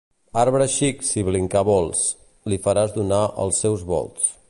Arbre xic si vinclar vols, li faràs donar els seus volts.